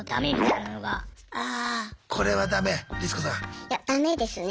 いやダメですね。